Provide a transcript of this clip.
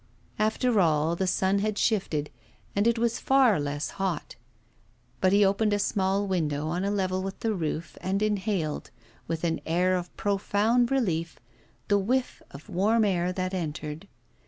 After all, the sun had shifted, and it was far less hot. But he opened a small window on a level with the roof, and inhaled, with an air of profound relief, the whiff of warm air that entered.